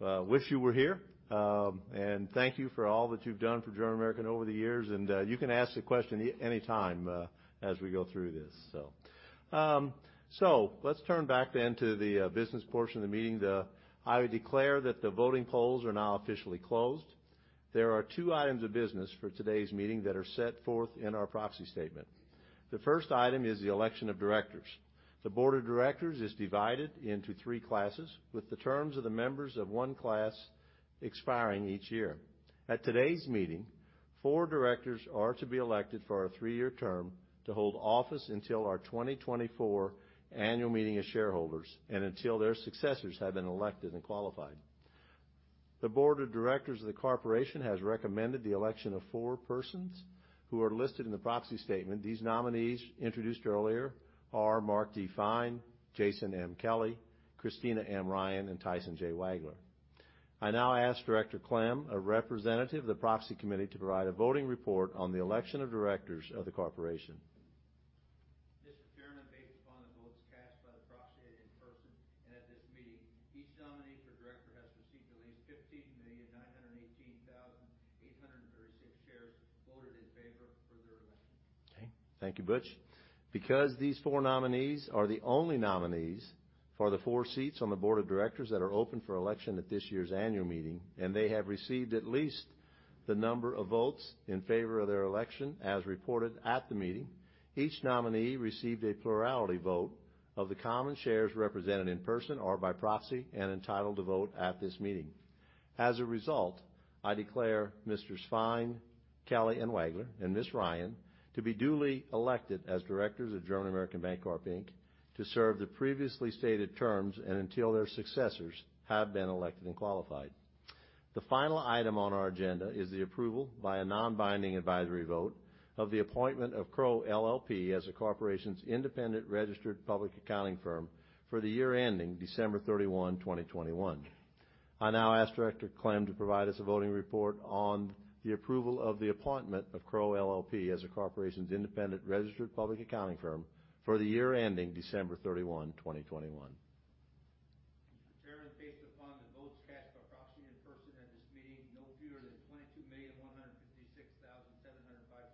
wish you were here. Thank you for all that you've done for German American over the years, and you can ask the question anytime as we go through this. Let's turn back then to the business portion of the meeting. I declare that the voting polls are now officially closed. There are two items of business for today's meeting that are set forth in our proxy statement. The first item is the election of directors. The board of directors is divided into three classes, with the terms of the members of one class expiring each year. At today's meeting, four directors are to be elected for a three-year term to hold office until our 2024 annual meeting of shareholders and until their successors have been elected and qualified. The board of directors of the corporation has recommended the election of four persons who are listed in the proxy statement. These nominees introduced earlier are Marc D. Fine, Jason M. Kelly, Christina M. Ryan, and Tyson J. Wagler. I now ask Director Klem, a representative of the proxy committee, to provide a voting report on the election of directors of the corporation. Mr. Chairman, based upon the votes cast by the proxy and in person and at this meeting, each nominee for director has received at least 15,918,836 shares voted in favor for their election. Okay. Thank you, Butch. Because these four nominees are the only nominees for the four seats on the board of directors that are open for election at this year's annual meeting, and they have received at least the number of votes in favor of their election as reported at the meeting, each nominee received a plurality vote of the common shares represented in person or by proxy and entitled to vote at this meeting. As a result, I declare Messrs. Fine, Kelly, and Wagler, and Ms. Ryan, to be duly elected as directors of German American Bancorp Inc to serve the previously stated terms and until their successors have been elected and qualified. The final item on our agenda is the approval by a non-binding advisory vote of the appointment of Crowe LLP as the corporation's independent registered public accounting firm for the year ending December 31, 2021. I now ask Director Klem to provide us a voting report on the approval of the appointment of Crowe LLP as the corporation's independent registered public accounting firm for the year ending December 31, 2021. Mr. Chairman, based upon the votes cast by proxy and in person at this meeting, no fewer than 22,156,705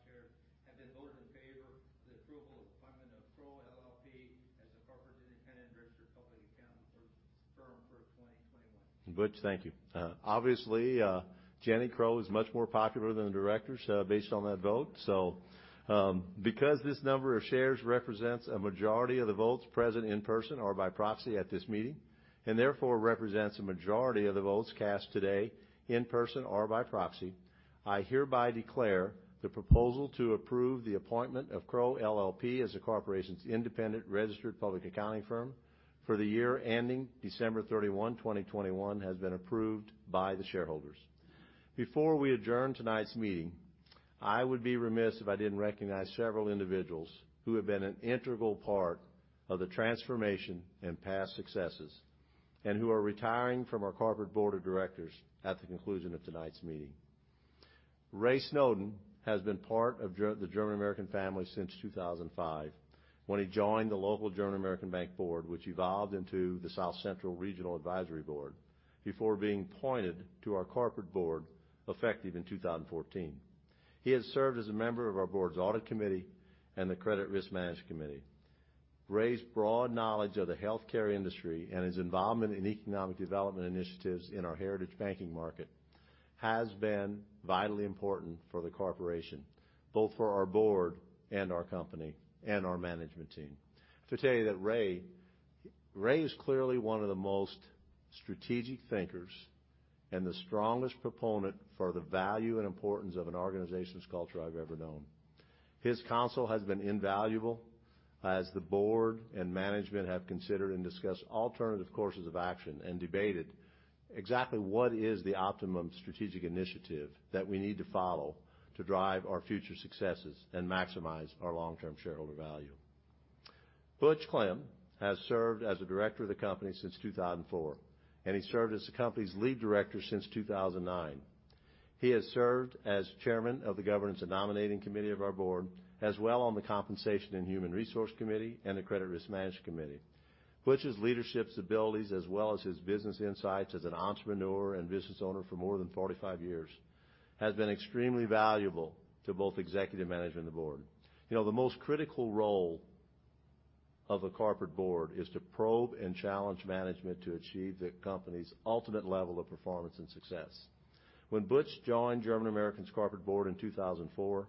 shares have been voted in favor of the approval of appointment of Crowe LLP as the corporate independent registered public accounting firm for 2021. Butch, thank you. Obviously, Crowe LLP is much more popular than the directors based on that vote. Because this number of shares represents a majority of the votes present in person or by proxy at this meeting, and therefore represents a majority of the votes cast today in person or by proxy, I hereby declare the proposal to approve the appointment of Crowe LLP as the corporation's independent registered public accounting firm for the year ending December 31, 2021, has been approved by the shareholders. Before we adjourn tonight's meeting, I would be remiss if I didn't recognize several individuals who have been an integral part of the transformation and past successes, and who are retiring from our corporate Board of Directors at the conclusion of tonight's meeting. Ray Snowden has been part of the German American family since 2005, when he joined the local German American Bank board, which evolved into the South Central Regional Advisory Board before being appointed to our corporate board effective in 2014. He has served as a member of our board's Audit Committee and the Credit Risk Management Committee. Ray's broad knowledge of the healthcare industry and his involvement in economic development initiatives in our heritage banking market has been vitally important for the corporation, both for our board and our company, and our management team. To tell you that Ray is clearly one of the most strategic thinkers and the strongest proponent for the value and importance of an organization's culture I've ever known. His counsel has been invaluable as the board and management have considered and discussed alternative courses of action and debated exactly what is the optimum strategic initiative that we need to follow to drive our future successes and maximize our long-term shareholder value. U. Butch Klem has served as a director of the company since 2004, and he served as the company's lead director since 2009. He has served as chairman of the Governance and Nominating Committee of our board, as well on the Compensation and Human Resource Committee and the Credit Risk Management Committee. U. Butch Klem's leadership abilities, as well as his business insights as an entrepreneur and business owner for more than 45 years, has been extremely valuable to both executive management and the board. The most critical role of a corporate board is to probe and challenge management to achieve the company's ultimate level of performance and success. When Butch joined German American's corporate Board in 2004,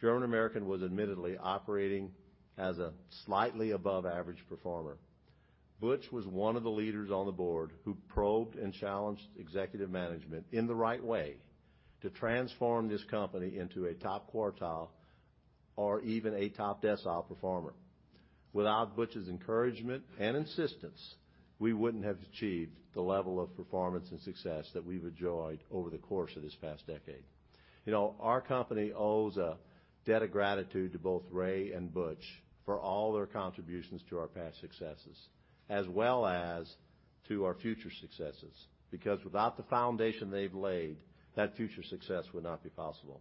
German American was admittedly operating as a slightly above average performer. Butch was one of the leaders on the Board who probed and challenged executive management in the right way to transform this company into a top quartile or even a top decile performer. Without Butch's encouragement and insistence, we wouldn't have achieved the level of performance and success that we've enjoyed over the course of this past decade. Our company owes a debt of gratitude to both Ray and Butch for all their contributions to our past successes, as well as to our future successes, because without the foundation they've laid, that future success would not be possible.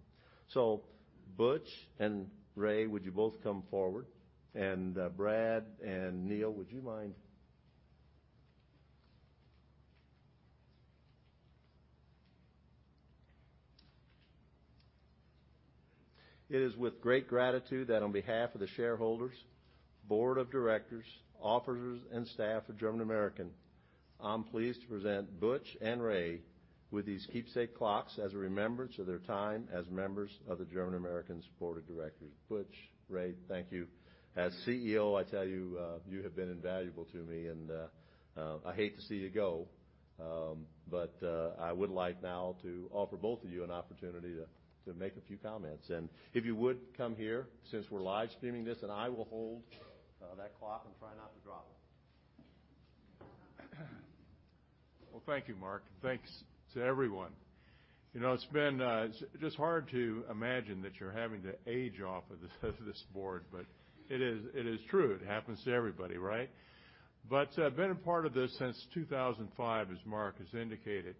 Butch and Ray, would you both come forward? Brad and Neil, would you mind? It is with great gratitude that on behalf of the shareholders, board of directors, officers, and staff of German American Bancorp, I'm pleased to present Butch and Ray with these keepsake clocks as a remembrance of their time as members of German American Bancorp's board of directors. Butch, Ray, thank you. As CEO, I tell you have been invaluable to me. I hate to see you go. I would like now to offer both of you an opportunity to make a few comments. If you would come here since we're live streaming this, and I will hold that clock and try not to drop it. Well, thank you, Mark. Thanks to everyone. It's been just hard to imagine that you're having to age off of this board, but it is true. It happens to everybody, right? I've been a part of this since 2005, as Mark has indicated.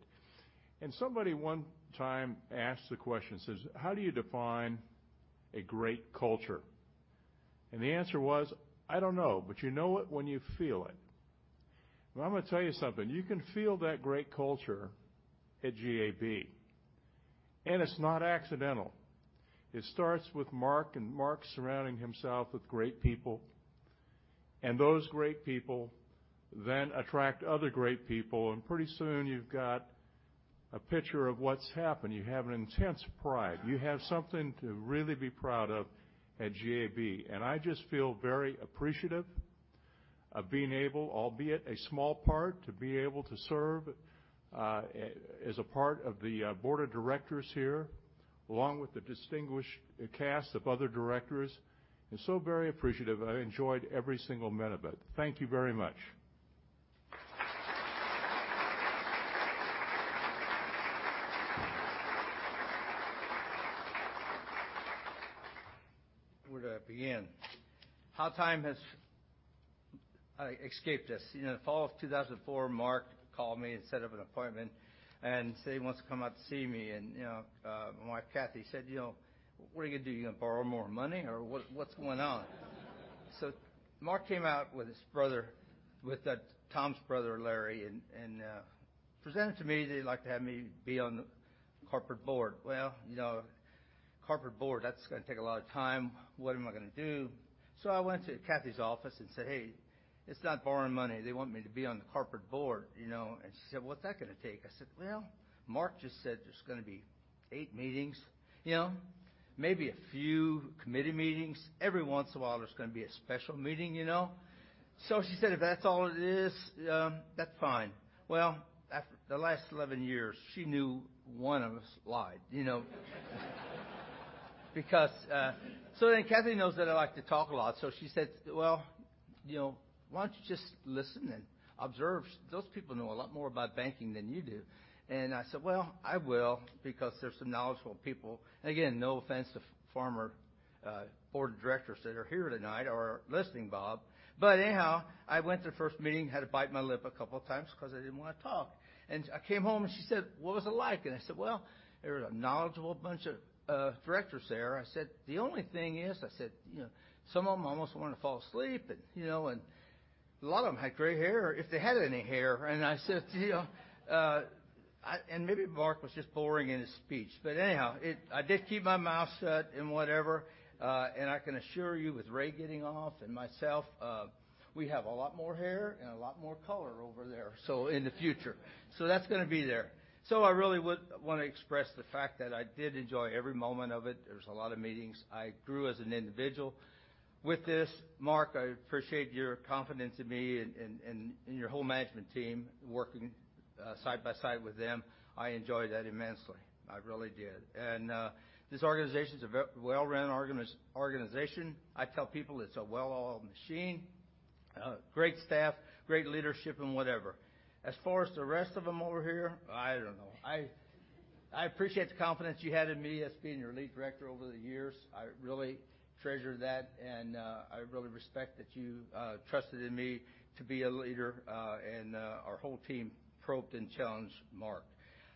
Somebody one time asked the question, says, "How do you define a great culture?" The answer was, "I don't know, but you know it when you feel it." Well, I'm going to tell you something. You can feel that great culture at GAB, and it's not accidental. It starts with Mark, and Mark surrounding himself with great people, and those great people then attract other great people, and pretty soon you've got a picture of what's happened. You have an intense pride. You have something to really be proud of at GAB. I just feel very appreciative of being able, albeit a small part, to be able to serve as a part of the board of directors here, along with the distinguished cast of other directors, and so very appreciative. I enjoyed every single minute of it. Thank you very much. Where do I begin? How time has escaped us. In the fall of 2004, Mark called me and set up an appointment and said he wants to come out to see me. My wife, Kathy, said, "What are you gonna do? You gonna borrow more money or what's going on?" Mark came out with Tom's brother, Larry, and presented to me they'd like to have me be on the corporate board. Corporate board, that's gonna take a lot of time. What am I gonna do? I went to Kathy's office and said, "Hey, it's not borrowing money. They want me to be on the corporate board." She said, "What's that gonna take?" I said, "Mark just said there's gonna be eight meetings. Maybe a few committee meetings. Every once in a while, there's gonna be a special meeting." She said, "If that's all it is, that's fine." The last 11 years, she knew one of us lied. Kathy knows that I like to talk a lot. She said, "Well, why don't you just listen and observe? Those people know a lot more about banking than you do." I said, "Well, I will, because they're some knowledgeable people." Again, no offense to former board of directors that are here tonight or listening, Bob. Anyhow, I went to the first meeting, had to bite my lip a couple of times because I didn't want to talk. I came home, and she said, "What was it like?" I said, "Well, they're a knowledgeable bunch of directors there." I said, "The only thing is," I said, "Some of them I almost wanted to fall asleep." A lot of them had gray hair, if they had any hair. I said to you, and maybe Mark Schroeder was just boring in his speech, but anyhow, I did keep my mouth shut and whatever, I can assure you with Ray W. Snowden getting off and myself, we have a lot more hair and a lot more color over there, so in the future. That's going to be there. I really want to express the fact that I did enjoy every moment of it. There was a lot of meetings. I grew as an individual. With this, Mark, I appreciate your confidence in me and your whole management team, working side by side with them. I enjoyed that immensely. I really did. This organization is a well-run organization. I tell people it's a well-oiled machine, great staff, great leadership, and whatever. As far as the rest of them over here, I don't know. I appreciate the confidence you had in me as being your Lead Director over the years. I really treasure that. I really respect that you trusted in me to be a leader. Our whole team probed and challenged Mark.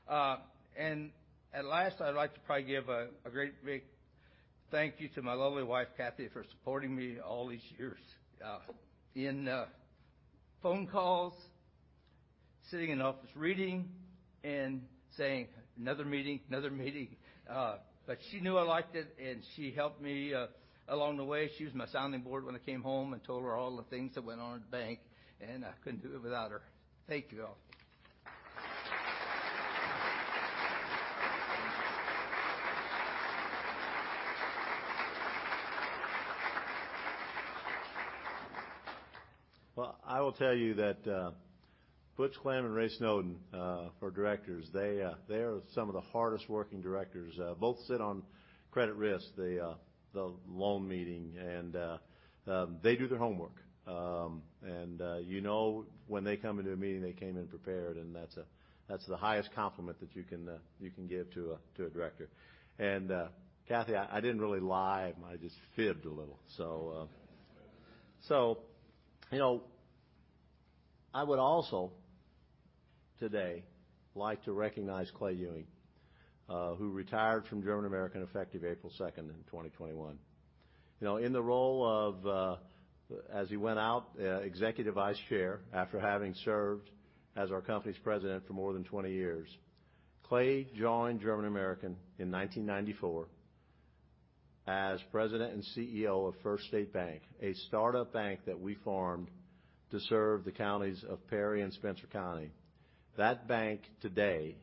At last, I'd like to probably give a great big thank you to my lovely wife, Kathy, for supporting me all these years, in phone calls, sitting in office reading, and saying, "Another meeting." She knew I liked it. She helped me along the way. She was my sounding board when I came home and told her all the things that went on at the bank. I couldn't do it without her. Thank you all. I will tell you that Butch Klem and Ray Snowden, our directors, they are some of the hardest-working directors. Both sit on credit risk, the loan meeting, and they do their homework. You know when they come into a meeting, they came in prepared, and that's the highest compliment that you can give to a director. Kathy, I didn't really lie. I just fibbed a little. I would also today like to recognize Clay Ewing, who retired from German American effective April 2nd in 2021. In the role of, as he went out, Executive Vice Chair, after having served as our company's President for more than 20 years. Clay joined German American in 1994 as President and CEO of First State Bank, a startup bank that we formed to serve the counties of Perry and Spencer County. That bank today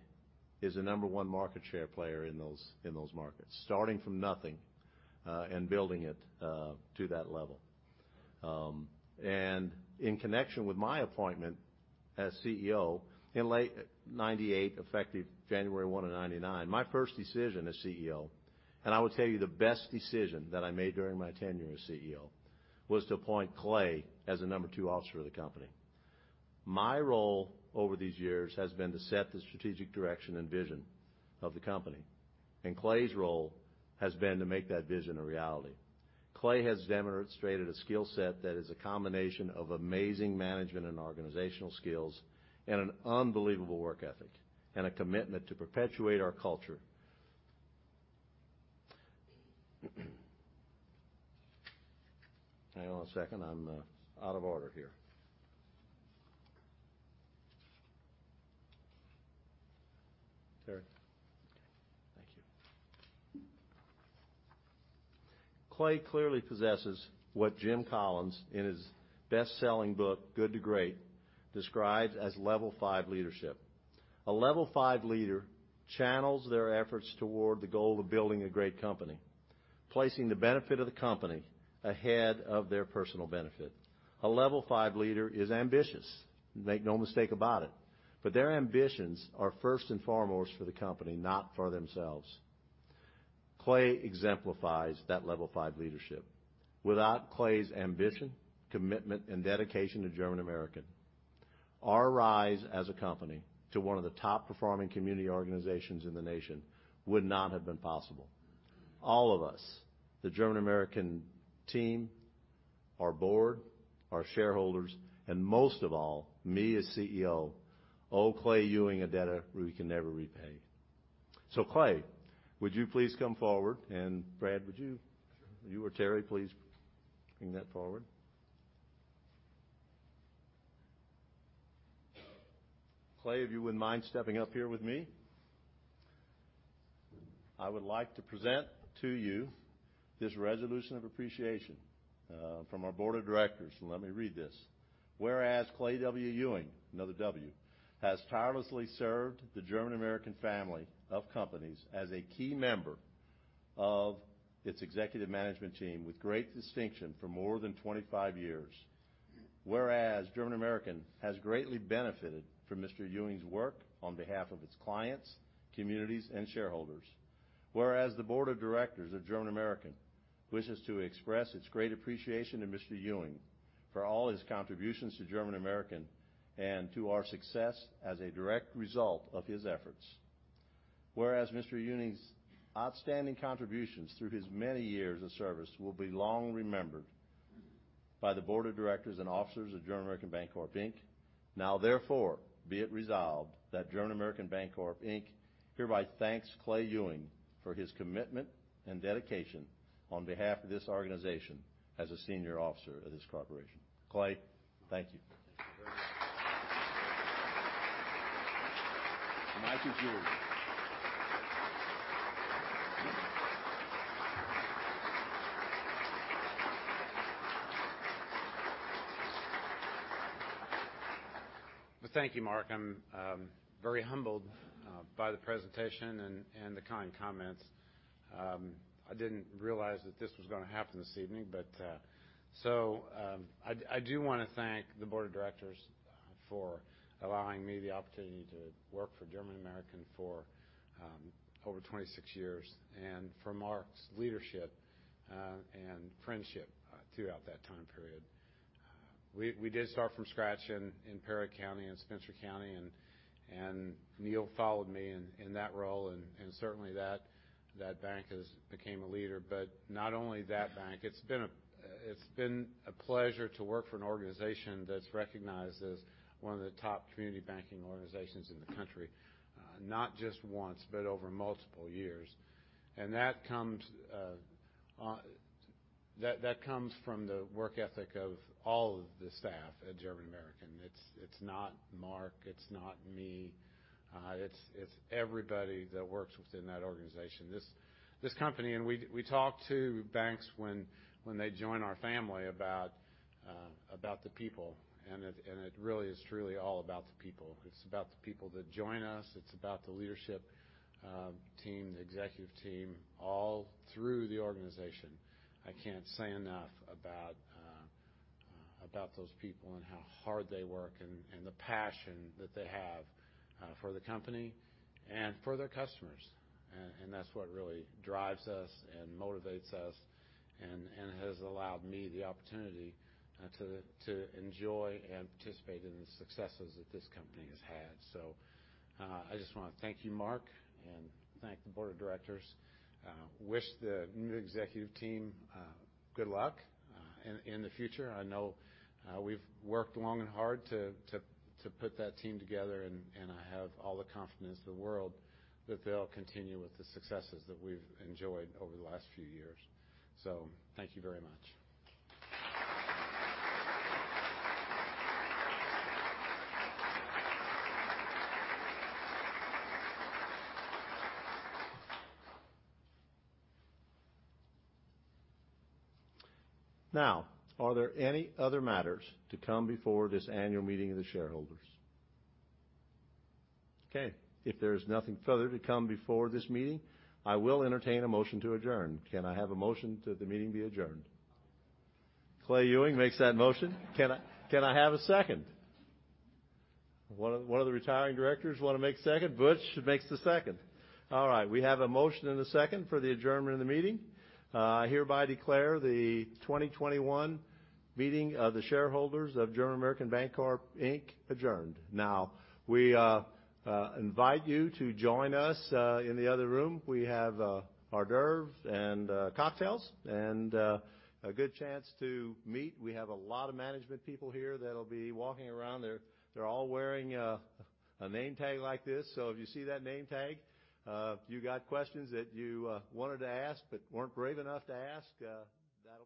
is the number one market share player in those markets, starting from nothing, and building it to that level. In connection with my appointment as CEO in late 1998, effective January 1 of 1999, my first decision as CEO, and I would tell you the best decision that I made during my tenure as CEO, was to appoint Clay as the number two officer of the company. My role over these years has been to set the strategic direction and vision of the company, and Clay's role has been to make that vision a reality. Clay has demonstrated a skill set that is a combination of amazing management and organizational skills and an unbelievable work ethic and a commitment to perpetuate our culture. Hang on a second. I'm out of order here. Terri. Thank you. Clay clearly possesses what Jim Collins, in his best-selling book, "Good to Great," describes as Level 5 leadership. A Level 5 leader channels their efforts toward the goal of building a great company, placing the benefit of the company ahead of their personal benefit. Their ambitions are first and foremost for the company, not for themselves. Clay exemplifies that Level 5 leadership. Without Clay's ambition, commitment, and dedication to German American, our rise as a company to one of the top-performing community organizations in the nation would not have been possible. All of us, the German American team, our board, our shareholders, and most of all, me as CEO, owe Clay Ewing a debt we can never repay. Clay, would you please come forward, and Brad, would you or Terri, please bring that forward. Clay, if you wouldn't mind stepping up here with me. I would like to present to you this resolution of appreciation from our board of directors. Let me read this. Whereas Clay W. Ewing, another W, has tirelessly served the German American family of companies as a key member of its executive management team with great distinction for more than 25 years. Whereas German American has greatly benefited from Mr. Ewing's work on behalf of its clients, communities, and shareholders. Whereas the board of directors of German American wishes to express its great appreciation to Mr. Ewing for all his contributions to German American and to our success as a direct result of his efforts. Whereas Mr. Ewing's outstanding contributions through his many years of service will be long remembered by the board of directors and officers of German American Bancorp Inc Now therefore, be it resolved that German American Bancorp Inc hereby thanks Clay Ewing for his commitment and dedication on behalf of this organization as a senior officer of this corporation. Clay, thank you. The mic is yours. Thank you, Mark. I'm very humbled by the presentation and the kind comments. I didn't realize that this was going to happen this evening. I do want to thank the board of directors for allowing me the opportunity to work for German American for over 26 years and for Mark's leadership and friendship throughout that time period. We did start from scratch in Perry County and Spencer County, and Neil followed me in that role, and certainly that bank became a leader, but not only that bank. It's been a pleasure to work for an organization that's recognized as one of the top community banking organizations in the country, not just once, but over multiple years. That comes from the work ethic of all of the staff at German American. It's not Mark, it's not me. It's everybody that works within that organization. This company, and we talk to banks when they join our family about the people, and it really is truly all about the people. It's about the people that join us. It's about the leadership team, the Executive Team, all through the organization. I can't say enough about those people and how hard they work and the passion that they have for the company and for their customers. That's what really drives us and motivates us and has allowed me the opportunity to enjoy and participate in the successes that this company has had. I just want to thank you, Mark, and thank the Board of Directors. Wish the new Executive Team good luck in the future. I know we've worked long and hard to put that team together, and I have all the confidence in the world that they'll continue with the successes that we've enjoyed over the last few years. Thank you very much. Are there any other matters to come before this annual meeting of the shareholders? Okay. If there is nothing further to come before this meeting, I will entertain a motion to adjourn. Can I have a motion that the meeting be adjourned? Clay Ewing makes that motion. Can I have a second? One of the retiring directors want to make second? Butch makes the second. All right. We have a motion and a second for the adjournment of the meeting. I hereby declare the 2021 meeting of the shareholders of German American Bancorp Inc adjourned. We invite you to join us in the other room. We have hors d'oeuvres and cocktails and a good chance to meet. We have a lot of management people here that'll be walking around. They're all wearing a name tag like this. If you see that name tag, you got questions that you wanted to ask but weren't brave enough to ask.